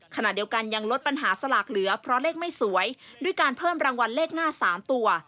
ขณะเดียวกันยังลดปัญหาสลากเหลือเพราะเลขไม่สวยด้วยการเพิ่มรางวัลเลขหน้า๓ตัว